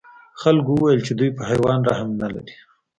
خلکو وویل چې دوی په حیوان رحم نه لري.